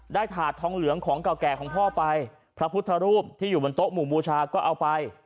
ถาดทองเหลืองของเก่าแก่ของพ่อไปพระพุทธรูปที่อยู่บนโต๊ะหมู่บูชาก็เอาไป